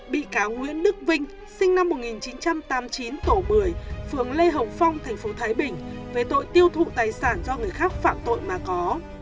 bị cáo nguyễn đức vinh sinh năm một nghìn chín trăm tám mươi chín tổ một mươi phường lê hồng phong tp thái bình về tội tiêu thụ tài sản do người khác phạm tội mà có